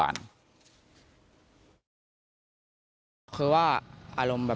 โปรดติดตามต่อไป